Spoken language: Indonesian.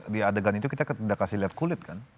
di adegan itu kita tidak kasih lihat kulit kan